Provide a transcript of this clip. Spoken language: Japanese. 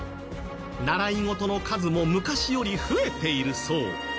習い事の数も昔より増えているそう。